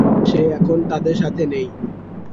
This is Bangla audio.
সে এখন তাদের সাথে নেই।